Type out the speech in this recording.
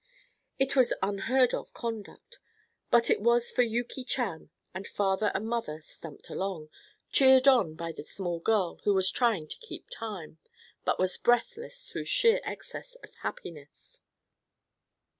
It was unheard of conduct, but it was for Yuki Chan, and father and mother stumped along, cheered on by the small girl who was trying to keep time, but was breathless through sheer excess of happiness.